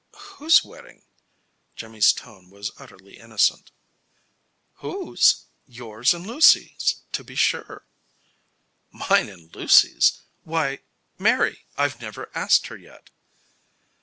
"Whose wedding?" Jimmy's tone was utterly innocent. "Whose? Yours and Lucy's, to be sure." "Mine and Lucy's? Why? Mary, I've never asked her yet."